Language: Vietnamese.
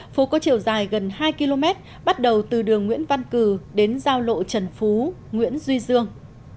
phố có chiều dài gần hai km bắt đầu từ đường nguyễn văn cử đến giao lộ trần phú nguyễn duy dương